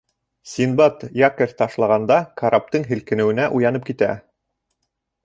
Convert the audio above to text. Синдбад якорь ташлағанда караптың һелкенеүенә уянып китә.